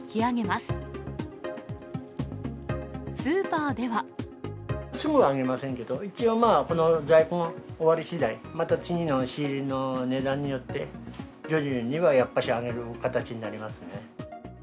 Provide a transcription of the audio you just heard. すぐには上げませんけど、一応、この在庫が終わりしだい、また次の仕入れの値段によって、徐々にはやっぱし上げる形にはなりますね。